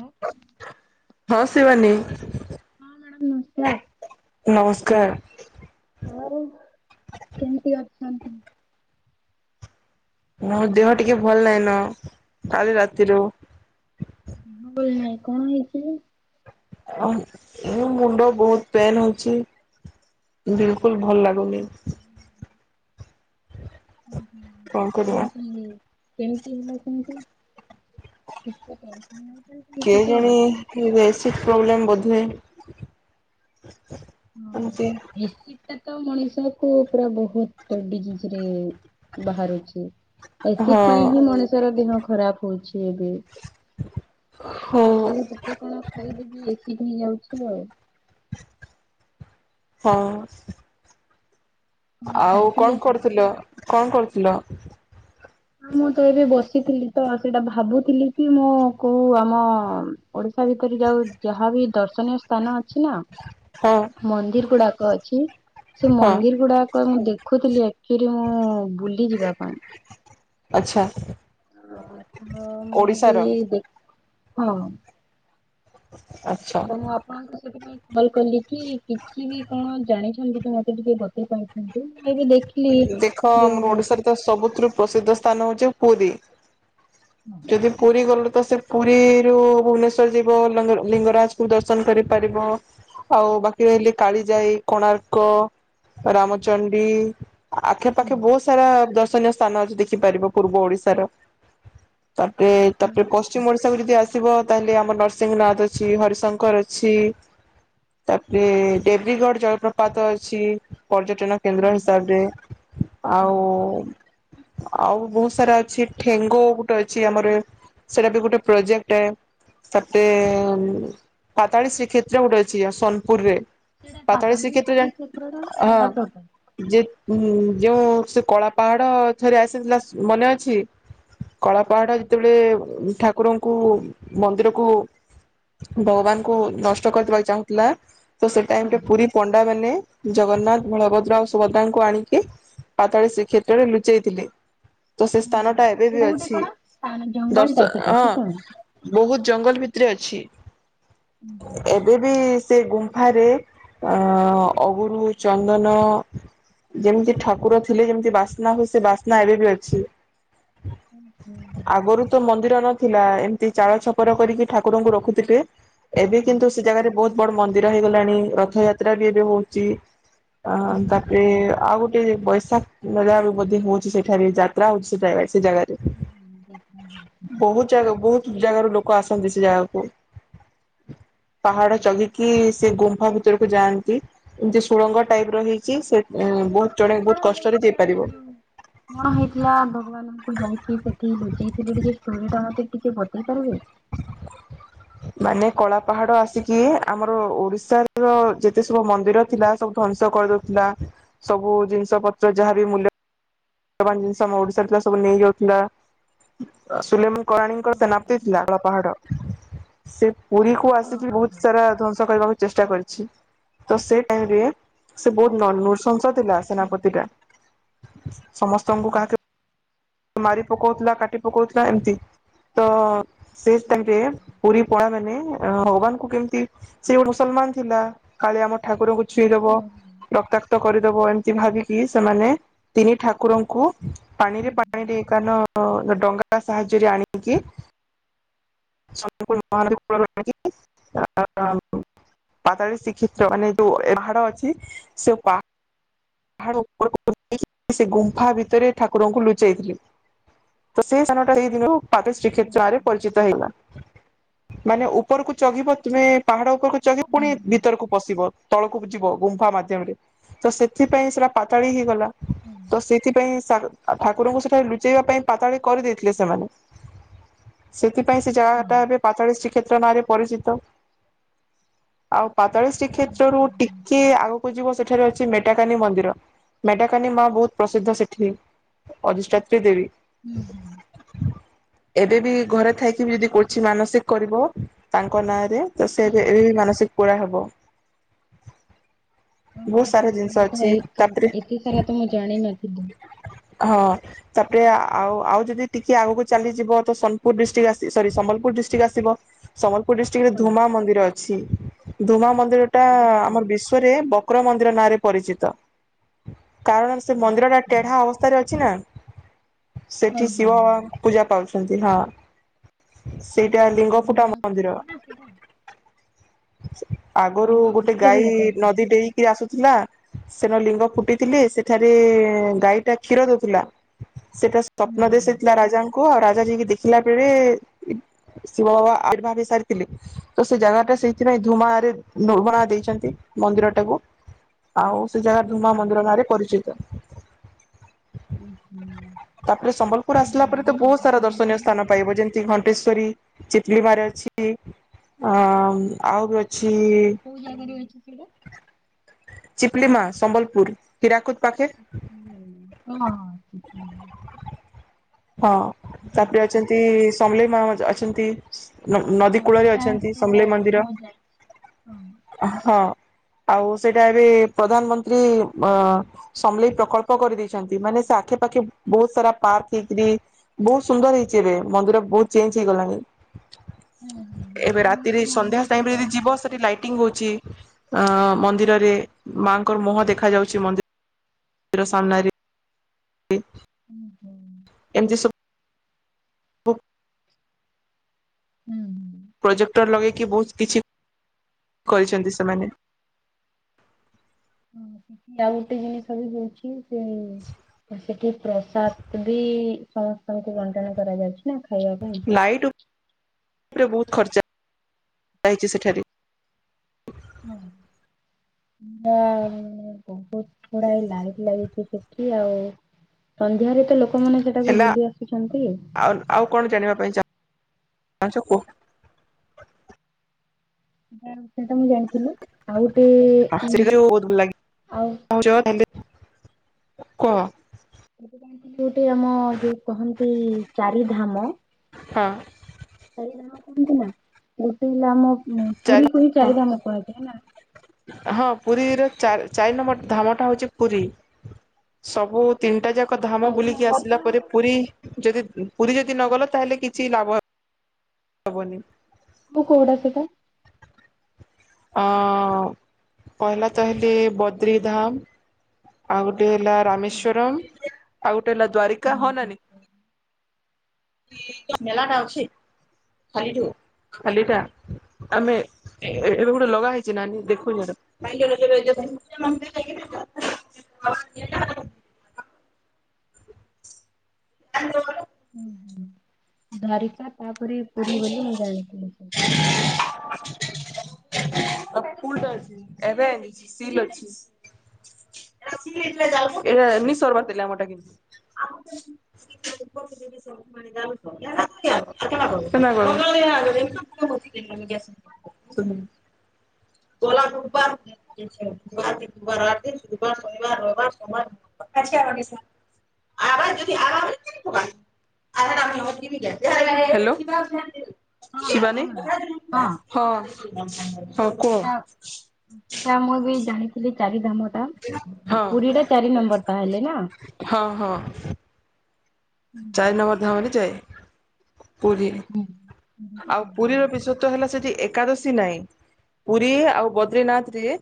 ହଁ ହଁ ଶିବାନୀ ହଁ ମ୍ୟାଡ଼ାମ ନମସ୍କାର ନମସ୍କାର ହଉ କେମିତି ଅଛନ୍ତି ନ ଦେହ ଟିକେ ଭଲ ନାହିଁ ନ କାଲି ରାତିରୁ ମୁ ବୋଲିଲ ନାଇଁ କଣ ହେଇଛି ମୁ ମୁଣ୍ଡ ବହୁତ ପେନ୍ ହଉଛି ବିଲକୁଲ ଭଲ ଲାଗୁନି [inaudible] ହ କଣ ହ କରିବା ହଣ ଫ କେମିତି ହେଲା କେମତି କି କେ କି କଣ? ଜଣ ବ ପ୍ର୍ଲେ ବ ହୁଁ ହ ତ ମଣିଷ କୁ ପୁରା ବହୁତ ଡିଜି ରେ ବାହାରୁଛି ହଁ ଏସିଡ ପାଇଁ ହିଁ ମଣିଷର ଦେହ ଖରାପ ହେଉଛି ବି ହଉ ସକାଳୁ ଟିକେ କଣ ଖାଇଦେବି ବେଶି ହେଇଯାଉଛି ହମର ହଁ କଣ ଆଉ ଖାଇଥିଲେ କଣ କି? କରୁଥିଲ କଣ କରୁ ନ ହଁ ମୁଁ ତ ଏବେ ବସିଥିଲି ତ ସେଇଟା ଭାବୁଥିଲି କି ମୁଁ କୋଉ ଆମ ଓଡିଶା ଭିତରେ ଯାଉ ଯାହା ବିି ଦର୍ଶନୀୟ ସ୍ଥାନ ଅଛି ନା ହଁ ମନ୍ଦିର ଗୁଡାକ ଅଛି ସେ ହଁ ମନ୍ଦିର ଗୁଡାକ ମୁଁ ଦେଖ ଖୁଦଲିି ସେଠି ମୁଁ ବୁଲି ଯିବା ପାଇଁ ଆଛା ହ ହ ମୁଇଁ ବିଇ ହଁ ଆଚ୍ଛା ତଣୁ ଆପଣଙ୍କୁ ସେଥିପାଇଁ ଭଲ କଲି କି କିଛି ବି କଣ ଜାଣିଛନ୍ତି ତ ମତେ ଟିକେ ବତେଇପଛନ୍ତି ଦେଖ ଆମର ଓଡିଶାରେ ତ ସବୁଥିରୁ ପ୍ରସିଦ୍ଧ ସ୍ଥାନଉଛି ପୁରୀ ହଁ ଯଦି ପୁରୀ ଗଲ ତ ସେ ପୁରୀରୁୁ ଭୁବନେଶ୍ଵର ଯିବ ଲିଙ୍ଗରାଜ କୁ ଦର୍ଶନ କରିପାରିବ ଆଉ ବାକି ରହିଲେ କାଳିଜାଇ କୋଣାର୍କ ରାମଚଣ୍ଡୀ ଆଖେ ହୁଁ ପାଖେ ବହୁତ ସାରା ଦର୍ଶ ୀୟ ସ୍ଥାନ ଆଜି ଦେଖିପାରିବ ପୂର୍ବ ଓଡିଶାର ତାପରେ ହୁଁ ତାପରେ ପଶ୍ଚିମ ଓଡିଶାକୁ ଯଦି ଆସିବ ତାହେଲେ ଆମର ନରସିଂହନାଥ ଅଛି ହରିଶଙ୍କର ଅଛି ତାପରେ ଦେଡବ୍ରୀଗଡ଼ ଜଳପ୍ରପାତ ଅଛି। ପର୍ଯ୍ୟଟନ କେନ୍ଦ୍ର ହୁଁ ହିସାବରେ ଆଉ ହଁ ଆଉ ବହୁତ ସାରା ଅଛି ଠେଙ୍ଗୋ ଗୋଟେ ଅଛି ଆମର ସେଟା ବି ଗୋଟେ ପ୍ରୋଜେକ୍ଟ ତାଟରେ ପାତାଳୀ ଶ୍ରୀକ୍ଷେତ୍ର ଗୋଟେ ଅଛି ସୋନପୁର ରେ ସେଇଟା ପାତଳ ପାତାଲି ଶିଖଥିଲେ ଶ୍ରୀ କ୍ଷେତ୍ରର ହଁ ଜଳପ୍ରପାତ। ଯେ ଉଁ ଯୋଉ ସେ କଳା ପାହାଡ ଥରେ ଆସିଥିଲା ମନେ ଅଛି କଳା ପାହାଡ ଯେତେବେଳେ ଠାକୁରଙ୍କୁ ମନ୍ଦିରକୁ ଭଗବାନଙ୍କୁ ନଷ୍ଟ କରିଦବାକୁ ଚାହୁଁଥିଲା। ତ ସେଟ ହଁ ଟାଇମ ପୁରୀ ପଣ୍ଡାନ ଜଗନ୍ନାଥ ବଳଭଦ୍ର ଆ ସୁଭଦ୍ରାଙ୍କୁ ଆଣିକ- ପାତାଳି ସେ କ୍ଷେତ୍ରରେ ଲୁଚେଇଥିଲେ। ତ ସେ ସ୍ଥାନ ଓହୋ ଟା ଏବେ ବି ସେଟା ଗୋଟେ ଅଛି କଣ ସ୍ଥାନ ଜଙ୍ଗଲ ଦର୍ଶ ଟା ସେଟା କି ହଁ କଣ? ବହୁତ ଜଙ୍ଗଲ ଭିତରେ ଅଛି। ହୁଁ। ଏବେ ବି ସେ ଗୁମ୍ଫାରେ ଅ ଅଗୁରୁ ଚନ୍ଦନ ଯେମିତି ଠାକୁର ଥିଲେ ଯେମିତି ବାସ୍ନା ହୁ ସେ ବାସ୍ନା ଏବେ ବି ଅଛି। କଣ ଆଗରୁ ତ ମନ୍ଦିର ନ ଥିଲା ଏମିତି ଚାଳ ଛପର କରିକି ଠାକୁରଙ୍କୁ ରଖୁିବଥିଲେ। ଏବେ କିନ୍ତୁ ସେ ଜାଗାରେ ବହୁତ ବଡ ମନ୍ଦିର ହେଇଗଲାଣି ରଥଯାତ୍ରା ବି ଏବେ ହଉଛି। ଅ ତାପରେ ଆଉ ଗୋଟେ ବୈଶାଖ ନେ ମଧ୍ୟ ହଉଛି ସେଠାରେ ଯାତ୍ରା ହଉଛି ସେଟ ସେ ଜାଗାରେ ବହୁତ ଜାଗା ବହୁତ ଜାଗାରୁ ଲୋକ କୁ ଆସନ୍ତି ସେ ଜାଗାକୁ ପାହାଡ ଚଗିକି ସେ ଗୁମ୍ ଘ ଭିତରକୁ ଯାଆନ୍ତି ଏମିତି ସୁଳଙ୍ଗ ଟାଇପ ର ହେଇ କି ସେ ବହୁତ ଜଣେ ବହୁତ କଷ୍ଟରେ କଣଇଥିଲା ଯାଇପାରିବ। ଯୋଉ କଣ ହେଇଥିଲା ଭଗବାନ ଯାଇକି ସେଠି ଲୁଚେଇଥିବି ଟିକେ ଷ୍ଟୋରିଟା ମତେ ଟିକେ ପଦେଇ ପାରିବେ ମାନେ କଳା ପାହାଡ ଆସିକି ଆମର ଓଡିଶ ର ଯେତେ ସବୁ ମନ୍ଦିର ଥିଲା ସବୁ ଧ୍ଵଂସ କରିଦେଉଥିଲା ସବୁ ଜିନିଷ ପତ୍ର ଯାହାବ ମୂଲ୍ୟ ମାନ ଜିନିଷ ଆମ ଓଡିଶା ଥିଲା ସବୁ ନେଇଯାଉଥିଲା ସୁଲେମ କରରାଣୀଙ୍କ ସେନାପ୍ତି ଥିଲା କଳ ପାହାଡ ସେ ପୁରୀ ୁ ହଁ ଆସିକି ହଁ ହଁ। ବହୁତ ସାରା ଧ୍ୱଵଂସ କରିବାକୁ ଚେଷ୍ଟା କରିଛି ତ ସେ ଟାଇମ ରେ ସେ ବହୁତ ନନ ନର୍ସସ ଥିଲା ହଁ ସେନାପତିଟା ସମସ୍ତଙ୍କୁ ହଁ କାହାକ ମାରି ପକଉଥିଲା କାଟି ପକଉଥିଲା ଏମତି ତ ସେ ଟାଇରେ ପୁରୀ ପଳା ମାନେ ଭଗବାନଙ୍କୁ କେମିତି ସେ ଗୋ ମୁସଲମାନ ଥିଲା କାଳେ ଆମ ଠାକୁରଙ୍କୁ ଛୁଇଁଦବ ରକ୍ତାକ୍ତ କରିଦବ ଏମିତି ଭାବିକି ସେମାନେ ତିନି ଠାକୁରଙ୍କୁ ପାଣିରେ ପା ପାଣିରେ କାନ ଡଙ୍ଗା ସାହାଯ୍ୟରେ ଆଣିକି ମହ କଳ ଆଣି ପାଦଳ ଶ୍ରୀକ୍ଷେତ୍ର ମାନେ ଯୋଉ ପାହାଡ ଅଛି ସେ ପାହା ପାହା ଉପରକୁ ସେ ଗୁମ୍ଫା ଭିତରେ ଠାକୁରଙ୍କୁ ଲୁଚ ପ ଯାଇଥିଲି ତ ସେଇ ସାନଟା ସେଇ ଦିନ ପାାତ ଶ୍ରୀକ୍ଷ୍େତ୍ରରେ ପରିଚିତ ହେଇଲା ମାନେ ଉପରକୁ ଚଘିବ ତୁମେ ପାହାଡ ଉପରକୁ କିି ପୁଣି ଭିତରକୁ ପଶିବ ତଳକୁ ଯିବ ଗୁମ୍ଫା ମାଧ୍ୟମରେ ତ ସେଥିପାଇଁ ସେଟା ପାତାଳି ହେଇଗଲା ତ ସେଥିପାଇଁ ଠାକୁରଙ୍କୁ ସେଠାରେ ଲୁଚେଇବା ପାଇଁ ପାତାଳି କରିଦେଇଥିଲେ ସେମାନେ ସେଥିପାଇଁ ସେ ଜାଗା ହେବେ ପାଚଳିଶ ଶ୍ରୀକ୍ଷଷେତ୍ର ନାଁରେ ପରିଚିତ ଆଉ ପାଚଳିଶଟି କ୍ଷେତ୍ରରୁ ଟିକେ ଆଗକୁ ଯିବ ସେଠାରେ ଅଛି। ମେଟାକାନୀ ମନ୍ଦିର ମେଟାକାନୀ ମା ବହୁତ ପ୍ରସିଦ୍ଧ ସେଠି ଅଧିଷ୍ଠାତ୍ରୀ ଦେବୀ ହୁଁ ହ ଏବେ ବି ଘରେ ଥାଇକି ବି ଯଦି କଛି ମାନସିକ କରିବ ତାଙ୍କ ନାଁରେ ଚା ସେ ଏବେ ମାନସିକ ପୋ ହବ ଓ ବହୁତ ସାରା ଜିନିଷ ହୋ ଅଛି ହେଇ ତାପରେ ଏତେ ସାରା ତ ମୁଁ ଜାଣି ନ ଦ ହଁ ତାପରେ ଆଉ ଆଉ ଯଦି ଟିକେ ଆଗକୁ ଚାଲିଯିବ ତ Sonpur district sorry Sambalpur district ଆସିବ ସମ୍ବଲ ପୁ ଡିଷ୍ଟ୍ରିକ୍ରେ ଧୁମା ମନ୍ଦିର ଅଛି ଦୁମା ମନ୍ଦ ା ଆମ ବିଶଵରେ ଶୁକ୍ର ମନ୍ଦିର ନାଁରେ ପରିଚିତ କାରଣ ସେ ମନ୍ଦିର ଟା ଟେଢା ଅବସ୍ ଅଛି ନା ସେଠି ଶିବ ଭଗବାନ ପୂଜା ପାଉଛ [unintelligible] ସେଇଟା ଲିଙ୍ଗ ଫୁଟା ମନ୍ଦିର ଆଗରୁ ଉମା ଗୋଟେ ମନ୍ଦିର ଗାଈ ଯୋଉଟା କହିଲେ। ନଦୀ ଡେଇଁକି ଆସୁ ଥିଲା ସେନ ଲିଙ୍ଗ ଫୁଟିଥିଲେ ସେଠାରେ ଗାଈଟା [unintelligible] ଦଉଥିଲା। ସେଟା ସ୍ୱପ୍ନ ଦିଶିଥିଲା ରାଜାଙ୍କୁ ଆଉ ରା ଜା ଯାଇକି ଦେଖିଲା ବେଳେ ଶିବ ବାବା ଆର୍ବିଭାବ ହେଇ ସାରିଥିଲେ, ତ ସେ ଜାଗା ଟା ସେଇଥିପାଇଁ ଧୂମା ରେ ଧୂମୁଣା ଦେଇଛନ୍ତି ମନ୍ଦିର ଟାକୁ। ଆଉ ସେ ଜାଗା ଧୂମା ମନ୍ଦିର ନାଁରେ ପରିଚିତ। ତାପରେ ସମ୍ବଲପୁର ଆସିଲା ପରେ ତ ବହୁତ ସାରା ଦର୍ଶନୀୟ ସ୍ଥାନ ପାଇବ, ଯେମିତି ଘନ୍ ଟେଶ୍ଵରୀ ଚିପଲି ମାର ଅଛି ଅ, ଉଁ ଆଉ ବି ଅ ହଁ କୋଉ ଜାଗା ରେ ଅଛି ସେଇଟା? ଚିପିଲିମା ସମ୍ବଲପୁର ହୀରାକୁଦ। ପାଖେ [unintelligible] ହଁ ହଁ [unintelligible] [unintelligible] ହଁ ତାପରେ ଅଛନ୍ତି ସମଲେଇ ମା ଯା ଛନ୍ତି। ନ- ନଦୀ କୂଳରେ ଅଛନ୍ତି ସମଲେଇ ମନ୍ଦିର, ହଁ। ଆଉ ସେଇଟା ଏବେ ପ୍ରଧାନମନ୍ତ୍ରୀ ଅ, ସମଲେଇ ପ୍ରକଳ୍ପ କରିଦେଇଛନ୍ତି, ମାନେ ସେ ଆଖେ ପାାଖେ ବହୁତ ସାରା ପାର୍କ ଏଥିରେ ବହୁତ ସୁନ୍ଦର ହେଇଛି ଏବେ, ମନ୍ଦିର ବହୁତ ଚେଞ୍ଜ୍ ହେଇଗଲାଣି। ଏବେ ରାତିରେ ସନ୍ଧ୍ୟା ଟାଇମ୍ ରେ ଯଦି ଯିବ ସେଠି ଲାଇଟିଙ୍ଗ୍ ହଉଛି। ଅଁ, ମନ୍ଦିରରେ ମା ଙ୍କର ମୁହଁ ଦେଖା ଯାଉଛି ମନ୍ଦି ର ସାମ୍ନା ରେ। ଓ ହୋ। ଏମିତି ସବ ବୁ। ହୁଁ, ହୁଁ। ପ୍ରୋଜେକ୍ଟର୍ ଲଗେଇକି ବହୁତ କିଛି କରିଛନ୍ତି ସେମାନେ। ଆଉ ଗୁଟେ ଜିନିଷ ବି ହଉଛି ସେ ଅ, ସେଠି ପ୍ରସାଦ ଭି ସମସ୍ତଙ୍କୁ ବଣ୍ଟନ କରାଯାଉଛି ନା। ଖାଇବା ପାଇଁ। ଏଥିରେ ବହୁତ ଖର୍ଚ୍ଚ ହେଇଚି ସେଠାରେ। [unintelligible] ବହୁତ ଥୁଡାଏ ଲାଇଟ୍ ଲାଗିଛି, ସେଠି ଆଉ ସନ୍ଧ୍ୟାରେ ତ ଲୋ କମାନେ ସେଠା କୁ ହେଲା ବୁଲି ଆସୁଛନ୍ତି। ପାନ୍ସକୁ ଜାନତେ। ତ ମୁଁ ଜାଣିଥିଲି ଆଉ ଗୋଟେ ଉଁ, ସେଠି ଆଉ କହ। ଗୋଟେ ଜାଣିଥିବୁ ଗୋଟେ ଆମ ଯୋଉ କହନ୍ତି ଚାରି ଧାମ ହଁ। ଚାରିଧାମ କୁହନ୍ତି ନା ଗୋଟେ ହେଲା ଆମ ଉଁ, ଚାରି ପୁରୀକୁ ହିଁ ଚାରିଧାମ କୁହାଯାଏ ନା। ଚା-ଚାରି ନମ୍ବର ଧାମଟା ହଉଚି ପୁରୀ ସବୁ ତିନିଟା ଯା କ ଧାମ ବୁଲିକି ଆସିଲା ପରେ ପୁରୀ ଯଦି ପୁରୀ ଯଦି ନଗଲ ତାହେଲେ କିଛି ଲାଭ ହବନି ମୁଁ କେଉଡା ସେଟା? ଅଁ ପହିଲା ତା ହେଲେ ବଦ୍ରିଧାମ ଆଉ ବେଲା ରାମେଶ୍ୱରମ୍ ଆଉ ଟେ ହେଲା ଦ୍ବାରିକା। ହଁ ନାଁ ନାଇଁ? ରାମେଶ୍ୱର। ମେଳାଟା ଅଛି। କାଲିଠୁ ଖାଲିଟା ଆମେ ଏ ଏବେ ଗୋଟେ ଲଗା ହେଇଚେ ନାନୀ। ଦେଖୁଚେଁ ସେଟା। [unintelligible] ହୁଁ ହୁଁ ଦ୍ବାରିକା ତାପରେ ପୁରୀ ବୋଲି ମୁଁ ଜାଣିଥିଲି କିନ୍ତୁ। [unintelligible] [unintelligible] ହେଲୋ। ଶିବାନୀ। ହଁ। [unintelligible] ସେଟା ଉଁ ସେଟା ମୁଁ ବି ଜାଣି ସେଠି ଚାରିଧାମ ଟା। ହଁ ପୁରୀ ଟା ଚାରି ନମ୍ବର ତାହେଲେ ନା? ହଁ ହଁ। ଚାରି ନମ୍ବର ଧାମାରେ ଯାଏ। ପୁରୀ ଆଉ ପୁରୀର ବିଶେତ୍ୱ ହେଲା ସେଠି ଏ କାଦଶୀ ନାଇଁ ପୁରୀ ଆଉ ବଦ୍ରିନାଥରେ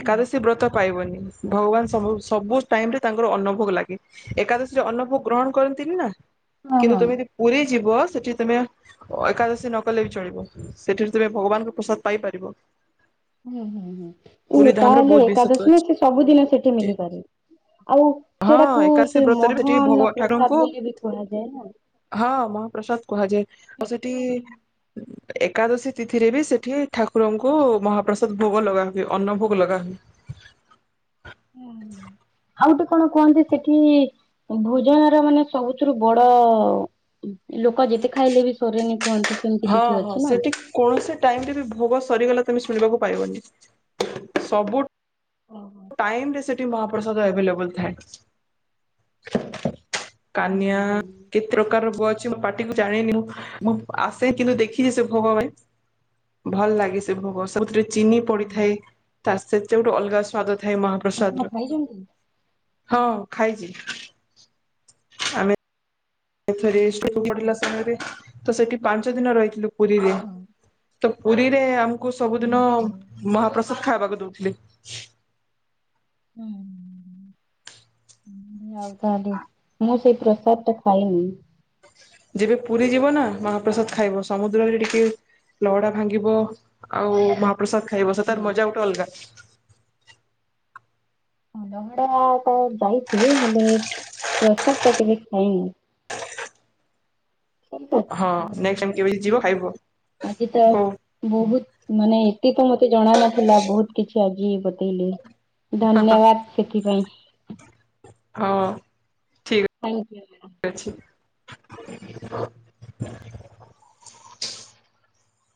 ଏକାଦଶୀ ବ୍ରତ ପାଇବନି। ଭଗବାନ ସବୁ ସବୁ ଟାଇମରେ ତାଙ୍କର ଅନ୍ନ ଭୋଗ ଲାଗେ ଏକାଦଶୀରେ ଅନ୍ନ ଭୋଗ ଗ୍ରହଣ କରନ୍ତିନି ନାଁ। ହଁ କିନ୍ତୁ ହଁ। ତୁମେ ଦି ପୁରୀ ଯିବ ସେଠି ତମେ ଏକାଦଶୀ ନ କଲେ ବି ଚଳିବ ସେଠିରେ ତୁମେ ଭଗବାନଙ୍କୁ ପ୍ରସାଦ ପାଇପାରିବ। ହୁଁ ହୁଁ ପୁରୀ ହୁଁ ଧାମ ର ତାହେଲେ ବହୁତ ବିଶେଷତ୍ଵ ଏକାଦଶମୀ ଅଛି। ସେ ସବୁଦିନ ସେଠି ମଳିପାରେିବ ଆଉ ହଁ ସେଟାକୁ ଏକାଦଶୀ ସେ ବ୍ରତରେ ସେଠି ଭଗ ମହାନ ଠାକୁରଙ୍କୁ ପ୍ରସାଦ ବୋଲି ବି କୁହାଯାଏ ନା ହଁ ମହାପ୍ରସାଦ କୁହାଯାଏ। ଆଉ ଏକାଦଶୀ ତିଥିରେ ବି ସେଠି ଠାକୁରଙ୍କୁ ମହାପ୍ରସାଦ ଭୋଗ ଲଗା ହୁଏ ଅନ୍ନ ଭୋଗ ଲଗା ହୁଏ ହୁଁ ଆଉ ଗୋଟେ କଣ କୁହନ୍ତି ସେଠି ଭୋଜନର ମାନେ ସବୁଥିରୁ ବଡ ଲୋକ ଯେତେ ଖାଇଲେ ବି ସୋରେନି କୁହନ୍ତି ସେମିତି ହଁ କିଛି ହଁ ଅଛି ନା। ସେଠି ହୁଁ କୌଣସି ଟାଇମ ରେ ବି ଭୋଗ ସରିଗଲା ତମେ ଶୁଣିବାକୁ ପାଇବନି ସବୁ ଟାଇମରେ ସେଠି ମହାପ୍ରସାଦ ଏଭେଲେବଲ ଥାଏ କାନିଆ ହୁଁ। କେତେ ପ୍ରକାର ର ବ ପାଟିକୁ ଜାଣିନି ମୁଁ ଆସେ କିନ୍ତୁ ଦେଖିଛି ସେ ଭୋଗ ପାଇଁ ଭଲ ଲାଗେ ସେ ଭୋଗ ସେ କୋଉଥିରେ ଚିନି ପଡିଥାଏ ତା ସେଥିରେ ଗୋଟେ ଅଲଗା ସ୍ଵାଦ ଥାଏ ମହାପ୍ରସାଦର। ହଁ ଖାଇଚି। ଆମେ ଏଥରେ ତ ପଡ଼ିଲ ସମୟରେ ତ ସେଠି ପାଞ୍ଚ ଦିନ ରହିଥିଲୁ। ପୁରୀରେ। ତ ପୁରୀରେ ଆ ତ ସବୁ ଦିନ ମହାପ୍ରସା ସବୁ ଖାଇବାକୁ ଦଉଥିଲି। ଉ ହୁଁ ଆଉ ତାହେଲେ ମୁଁ ସେ ପ୍ରସାଦ ଟା ଖାଇନି। ଯେବେ ପୁରୀ ଯିବ ନା ମହାପ୍ରସାଦ ଖାଇବ ସମୁଦ୍ରରେ ଟିକେ ଲହଡା ଭାଙ୍ଗିବ ଆଉ ମହା ପ୍ରସାଦ ଖାଇବସ ତାର ମଜା ଗୋଟେ ଅଲଗା। ଲହଡା ତ ଯାଇଥିଲ ହେଲେ ପ୍ରସାଦ ଟା କେ ଖାଇନି। ହଁ ନେକ୍ସଟ ଟାଇମ କେବେ ଯିବ ଖାଇବ ଆଜି ତ ହଉ ବହୁତ ମାନେ ଏତେ ତ ମତେ ଜଣା ନଥିଲା ବହୁତ କିଛି ଆଜି ବତେଇଲେ। ଧନ୍ୟବାଦ ସେଥିପାଇଁ। ହଁ। ଠିକ ଥ୍ୟାଙ୍କ ୟୁ। ଅଛି